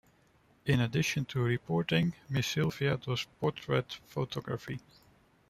In addition to reporting, Miss Silva does portrait photography.